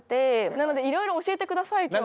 なのでいろいろ教えて下さい今日。